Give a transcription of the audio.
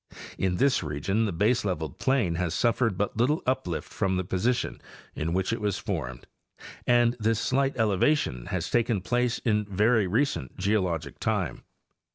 In this region the baseleveled plain has suffered but little uplift from the position in which it, was formed, and this slight elevation has taken place in very recent geologic time.